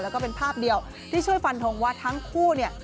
แล้วก็เป็นภาพเดียวที่ช่วยฟันทงว่าทั้งคู่เนี่ย